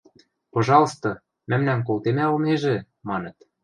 – Пожалсты, мӓмнӓм колтемӓ ылнежӹ! – маныт.